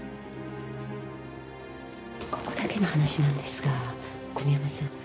ここだけの話なんですが小宮山さん。